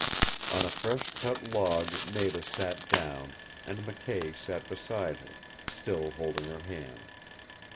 On a fresh cut log Nada sat down, and McKay sat beside her, still holding her hand.